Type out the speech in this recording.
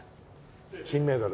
金メダル。